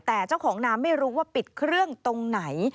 แต่เจ้าของน้ำไม่รู้ว่าปิดเครื่องตรงไหน